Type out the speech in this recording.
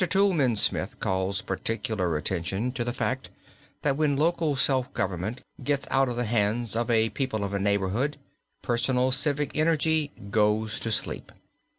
Toulmin Smith calls particular attention to the fact that when local self government gets out of the hands of the people of a neighborhood personal civic energy goes to sleep.